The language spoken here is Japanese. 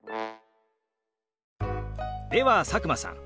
では佐久間さん。